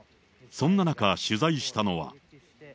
そんな中、取材したのは。